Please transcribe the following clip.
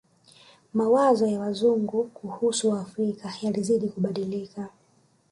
Mawazo ya Wazungu kuhusu Waafrika yalizidi kubadilika